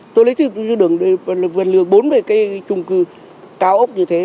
tôi lấy thêm đường vượt lường bốn về cái trung cư cao ốc như thế